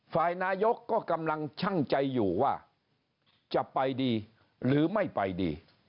ฝ่ายนายกก็กำลังชั่งใจอยู่ว่าจะไปดีหรือไม่ไปดี